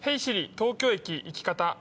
東京駅行き方。